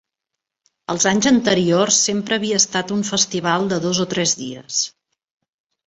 Els anys anteriors sempre havia estat un festival de dos o tres dies.